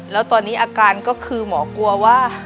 แล้วตอนนี้อาการก็คือหมอกลัวว่า